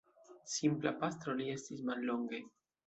Simpla pastro li estis mallonge.